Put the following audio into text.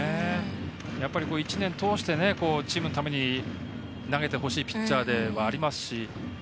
やっぱり１年通してチームのために投げてほしいピッチャーではありますし。